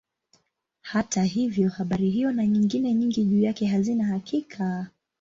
Hata hivyo habari hiyo na nyingine nyingi juu yake hazina hakika.